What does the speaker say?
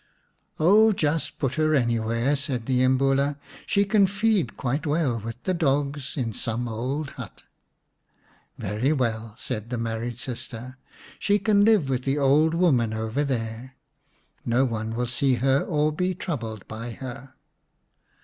"Oh, just put her anywhere," said the Imbula. " She can feed quite well with the dogs in some old hut." " Very well," said the married sister. " She 231 The Beauty and the Beast xix can live with the old woman over there ; no one will see her or be troubled by her."